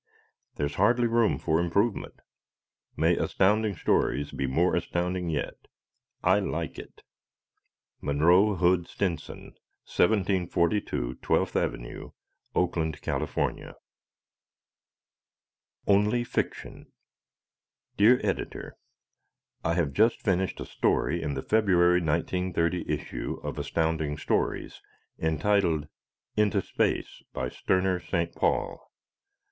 There's hardly room for improvement. May Astounding Stories be more astounding yet. I like it! Monroe Hood Stinson, 1742, 12th Ave., Oakland, California. Only Fiction! Dear Editor: I have just finished a story in the February, 1930, issue of Astounding Stories entitled "Into Space," by Sterner St. Paul.